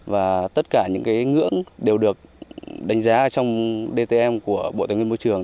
và tất cả những cái ngưỡng đều được đánh giá trong dtm của bộ tài nguyên môi trường